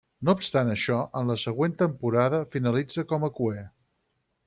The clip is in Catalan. No obstant això, en la següent temporada finalitza com a cuer.